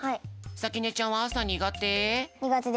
さきねちゃんはあさにがて？